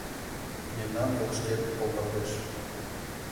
Мемнан ялышкет толдалеш